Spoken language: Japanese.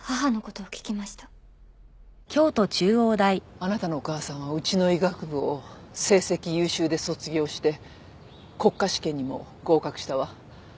あなたのお母さんはうちの医学部を成績優秀で卒業して国家試験にも合格したわ。